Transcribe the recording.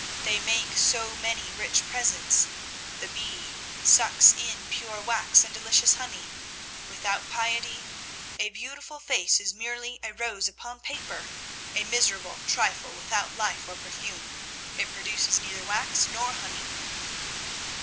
They make so many rich presents. The bee sucks in pure wax and delicious honey. Without piety, a beautiful face is merely a rose upon paper, a miserable trifle without life or perfume. It produces neither wax nor honey.'